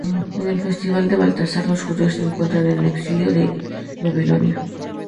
En el festival de Baltasar los judíos se encuentran en exilio en Babilonia.